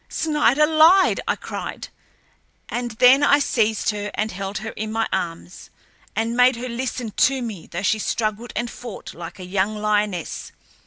"Snider lied!" I cried. And then I seized her and held her in my arms, and made her listen to me, though she struggled and fought like a young lioness.